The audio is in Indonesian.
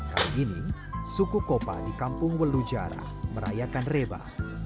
kali ini suku kopa di kampung welujara merayakan reba